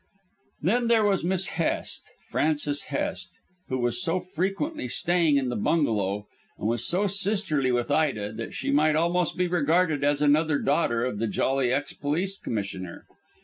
Then there was Miss Hest Frances Hest who was so frequently staying in the bungalow, and was so sisterly with Ida that she might almost be regarded as another daughter of the jolly ex police commissioner.